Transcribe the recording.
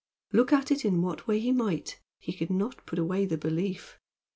Look at it in what way he might, he could not put away the belief.